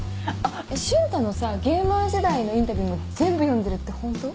瞬太のさゲーマー時代のインタビューも全部読んでるって本当？